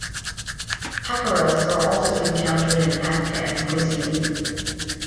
Pakoras are also encountered in Afghan cuisine.